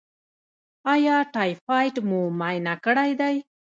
ایا ټایفایډ مو معاینه کړی دی؟